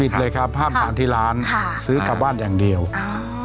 เลยครับห้ามทานที่ร้านค่ะซื้อกลับบ้านอย่างเดียวอ่า